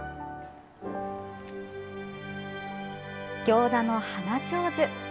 行田の花ちょうず。